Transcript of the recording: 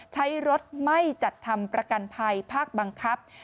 ใช้รถไม่จัดทำประกันภัยภาคบังคับ